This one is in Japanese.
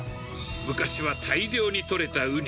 昔は大量に取れたウニ。